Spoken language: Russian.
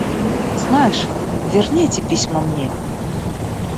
Знаешь, верни эти письма мне.